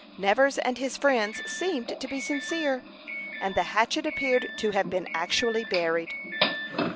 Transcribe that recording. Nevers and his friends seemed to be sincere, and the hatchet appeared to have been actually buried.